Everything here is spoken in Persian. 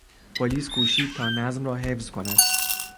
پلیس کوشید تا نظم را حفظ کند.